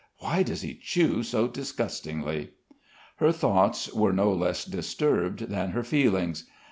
why does he chew so disgustingly." Her thoughts were no less disturbed than her feelings.